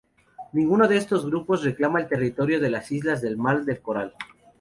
Ninguno de estos grupos reclama el territorio de las Islas del Mar del Coral.